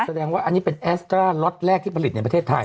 แสดงว่าอันนี้เป็นแอสตราล็อตแรกที่ผลิตในประเทศไทย